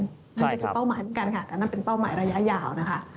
นั่นก็คือเป้าหมายเหมือนกันค่ะอันนั้นเป็นเป้าหมายระยะยาวนะคะ